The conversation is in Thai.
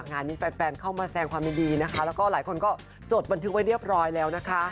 งานนี้แฟนเข้ามาแสงความยินดีนะคะแล้วก็หลายคนก็จดบันทึกไว้เรียบร้อยแล้วนะคะ